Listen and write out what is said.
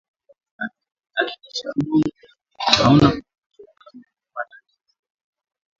hakikisha udongo hauna kokoto kabla ya kupanda viazi